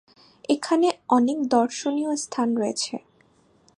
এখানে অনেক দর্শনীয় স্থান রয়েছে।